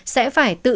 sẽ phải tự